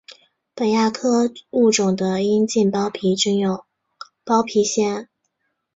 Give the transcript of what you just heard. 本亚科物种的阴茎包皮均有包皮腺。